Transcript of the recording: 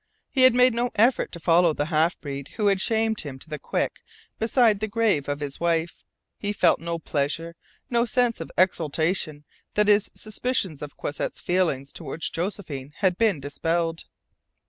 He had made no effort to follow the half breed who had shamed him to the quick beside the grave of his wife. He felt no pleasure, no sense of exultation, that his suspicions of Croisset's feelings toward Josephine had been dispelled.